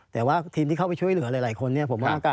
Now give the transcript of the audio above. แต่ว่าทีมที่เข้าไปช่วยเหลือหลายคนผมว่า